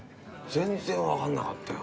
全然わかんなかったよ。